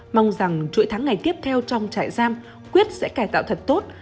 mong rằng chuỗi tháng ngày tiếp theo trong trại giam quyết sẽ cải tạo thật tốt